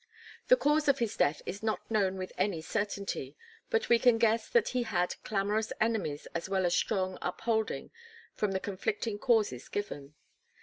The cause of his death is not known with any certainty, but we can guess that he had clamorous enemies as well as strong upholding from the conflicting causes given.